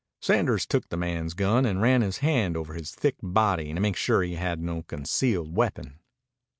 Sanders took the man's gun and ran his hand over his thick body to make sure he had no concealed weapon.